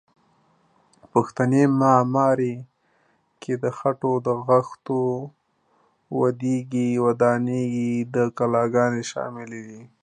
پښتني معمارۍ کې د خټو د خښتو دودیزې ودانۍ او کلاګانې شاملې دي.